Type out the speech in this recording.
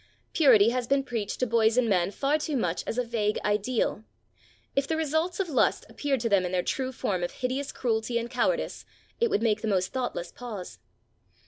Purity has been preached to boys and men far too much as a vague ideal. If the results of lust appeared to them in their true form of hideous cruelty and cowardice, it would make the most thoughtless pause.